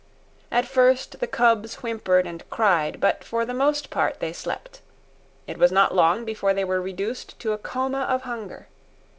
At first, the cubs whimpered and cried, but for the most part they slept. It was not long before they were reduced to a coma of hunger.